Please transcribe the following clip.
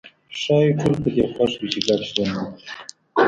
ښايي ټول په دې خوښ وي چې ګډ ژوند وکړي.